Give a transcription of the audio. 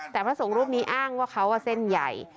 แต่พระสงฆ์รูปนี้อ้างว่าเขาเส้นใหญ่